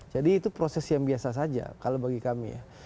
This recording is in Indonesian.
jadi itu proses yang biasa saja kalau bagi kami ya